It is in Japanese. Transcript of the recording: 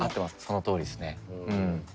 そのとおりですね。